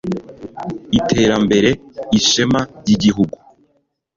iterambere, ishema by'igihugu